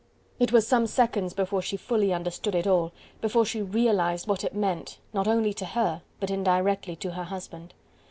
It was some seconds before she fully understood it all, before she realized what it meant not only to her, but indirectly to her husband.